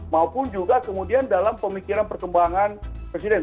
maupun juga kemudian dalam pemikiran perkembangan presiden